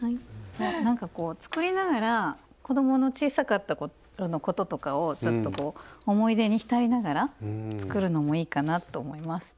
なんかこう作りながら子どもの小さかった頃のこととかをちょっとこう思い出に浸りながら作るのもいいかなと思います。